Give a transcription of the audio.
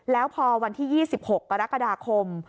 แล้วพอวันที่๒๖กรกฎาคม